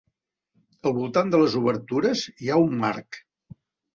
Al voltant de les obertures hi ha un marc.